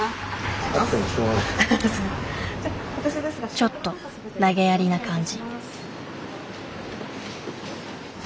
ちょっとなげやりな感じ。